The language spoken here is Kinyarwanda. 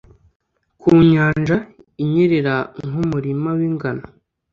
ku nyanja inyerera nk'umurima w'ingano